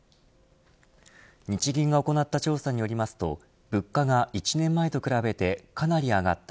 日銀が行った調査によりますと物価が１年前と比べてかなり上がった